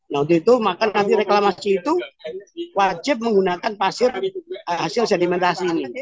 nah untuk itu maka nanti reklamasi itu wajib menggunakan pasir hasil sedimentasi ini